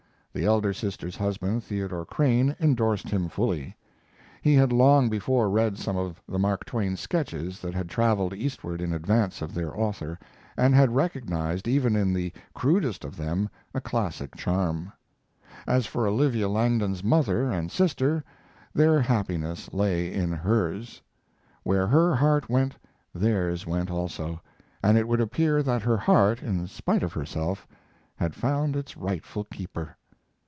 The elder sister's husband, Theodore Crane, endorsed him fully. He had long before read some of the Mark Twain sketches that had traveled eastward in advance of their author, and had recognized, even in the crudest of them, a classic charm. As for Olivia Langdon's mother and sister, their happiness lay in hers. Where her heart went theirs went also, and it would appear that her heart, in spite of herself, had found its rightful keeper.